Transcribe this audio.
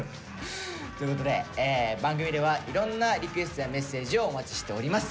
ということで番組ではいろんなリクエストやメッセージをお待ちしております。